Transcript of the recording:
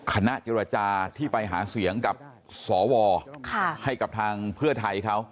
คณะเจรจาที่ไปหาเสียงกับสวให้กับทางเพื่อไทยเขา